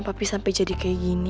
tapi sampai jadi kayak gini